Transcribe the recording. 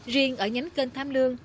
riêng ở nhánh kênh tham lương